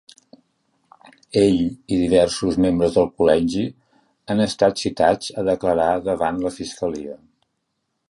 Ell i diversos membres del col·legi han estat citats a declarar davant la fiscalia.